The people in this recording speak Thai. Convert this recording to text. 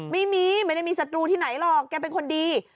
ไม่ได้มีศัตรูที่ไหนหรอกแกเป็นคนดี